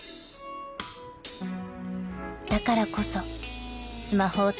［だからこそスマホを手に入れ